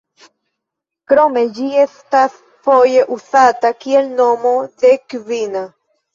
Krome ĝi estas foje uzata kiel nomo de kvina.